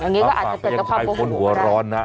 อันเนี้ยก็อาจจะเกิดแต่ความโกหกก็ได้แล้วค่ะก็ยังใช้คนหัวร้อนนะ